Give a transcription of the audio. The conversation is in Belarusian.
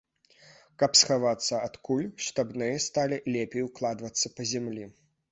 Каб схавацца ад куль, штабныя сталі лепей укладацца па зямлі.